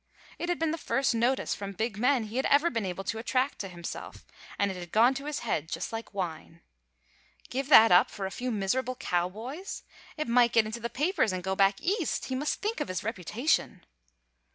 It had been the first notice from big men he had ever been able to attract to himself, and it had gone to his head like wine. Give that up for a few miserable cowboys! It might get into the papers and go back East. He must think of his reputation.